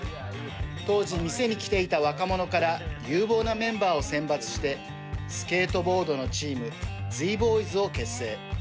当時、店に来ていた若者から有望なメンバーを選抜してスケートボードのチームＺ−Ｂｏｙｓを結成。